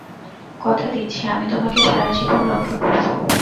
কথা দিচ্ছি আমি তোমাকে সারা জীবন রক্ষা করব।